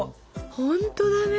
ほんとだね。